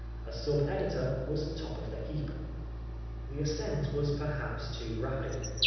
A sub editor was top of the heap. The ascent was perhaps too rapid.